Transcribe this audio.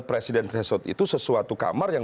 presiden threshold itu sesuatu kamar yang